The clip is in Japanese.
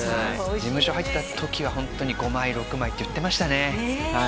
事務所入った時はホントに５枚６枚っていってましたね